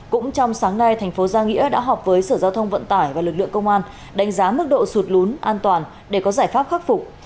cũng trong sáng nay thành phố giang nghĩa đã họp với sở giao thông vận tải và lực lượng công an đánh giá mức độ sụt lún an toàn để có giải pháp khắc phục